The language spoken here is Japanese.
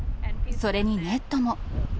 それにネットも。